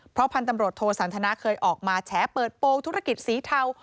เพราะพันธุ์ตำรวจโทสันทนาเคยออกมาแฉเปิดโปรงธุรกิจสีเทา